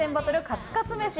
カツカツ飯。